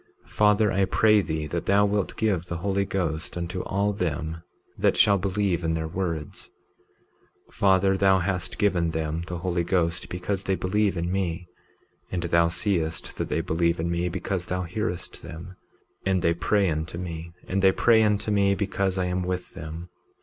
19:21 Father, I pray thee that thou wilt give the Holy Ghost unto all them that shall believe in their words. 19:22 Father, thou hast given them the Holy Ghost because they believe in me; and thou seest that they believe in me because thou hearest them, and they pray unto me; and they pray unto me because I am with them.